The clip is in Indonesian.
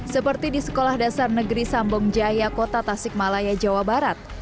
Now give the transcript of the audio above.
seperti di sekolah dasar negeri sambong jaya kota tasik malaya jawa barat